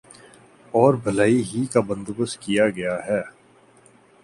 اور بھلائی ہی کا بندو بست کیا گیا ہے